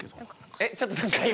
えっちょっと何か今？